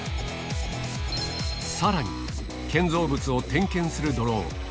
さらに、建造物を点検するドローン。